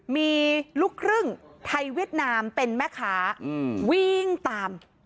มีลูกครึ่งไทยเวียดนามเป็นแม่ค้าวิ่งตาม